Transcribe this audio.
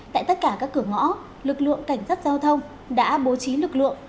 tại tất cả các cửa ngõ lực lượng cảnh sát giao thông đã bố trí lực lượng